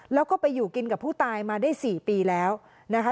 แล้วก็ไปอยู่กินกับผู้ตายมาได้๔ปีแล้วนะคะ